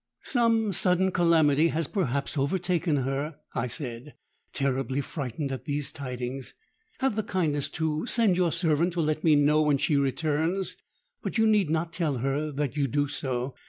'—'Some sudden calamity has perhaps overtaken her,' I said, terribly frightened at these tidings. 'Have the kindness to send your servant to let me know when she returns; but you need not tell her that you do so.